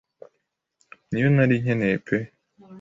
ni yo nari nkeneye pe